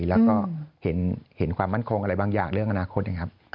แล้วก็เห็นความมั่นคงอะไรบางอย่างเรื่องอนาคตนะครับ